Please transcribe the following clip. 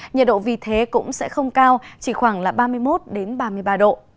nhiệt độ vì thế cũng sẽ không cao chỉ khoảng là ba mươi một ba mươi ba độ